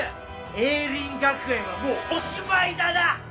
栄林学園はもうおしまいだな！